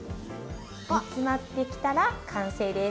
煮詰まってきたら完成です。